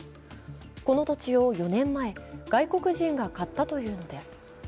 この土地を４年前外国人が買ったというのです。